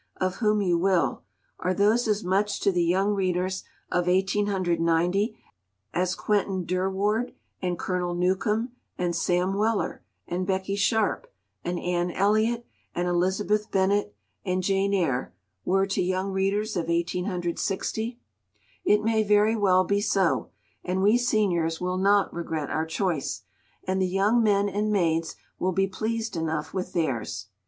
—of whom you will—are those as much to the young readers of 1890 as Quentin Durward, and Colonel Newcome, and Sam Weller, and Becky Sharp, and Anne Elliot, and Elizabeth Bennett, and Jane Eyre were to young readers of 1860? It may very well be so, and we seniors will not regret our choice, and the young men and maids will be pleased enough with theirs.